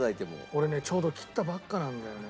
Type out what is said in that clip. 俺ねちょうど切ったばっかなんだよね。